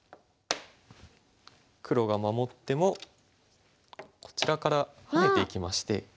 黒が守ってもこちらから逃げていきまして。